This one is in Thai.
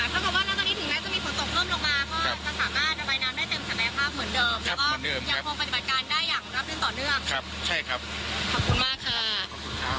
ถ้าบอกว่าแล้วตอนนี้ถึงนั้นจะมีผลตกเพิ่มลงมาก็จะสามารถระบายน้ำได้เต็มแสบแม้ภาพเหมือนเดิม